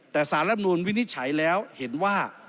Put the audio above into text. แต่สารรับนูลวินิจฉัยแล้วเห็นว่า